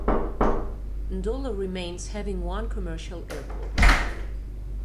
Ndola remains having one commercial airport.